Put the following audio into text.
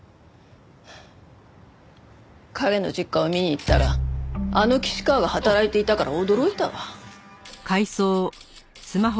彼の実家を見に行ったらあの岸川が働いていたから驚いたわ。